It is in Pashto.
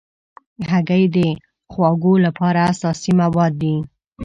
هګۍ د خواږو لپاره اساسي مواد دي.